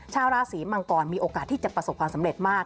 ชาวราศีมังกรมีโอกาสที่จะประสบความสำเร็จมาก